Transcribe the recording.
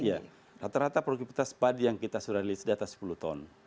iya rata rata produktivitas padi yang kita sudah rilis di atas sepuluh ton